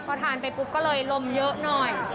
พอทานไปก็เรายังลมเยอะหน่อย